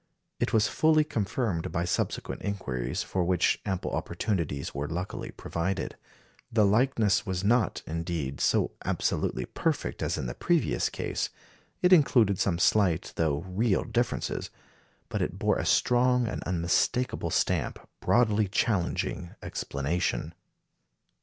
It was fully confirmed by subsequent inquiries, for which ample opportunities were luckily provided. The likeness was not, indeed, so absolutely perfect as in the previous case; it included some slight, though real differences; but it bore a strong and unmistakable stamp, broadly challenging explanation.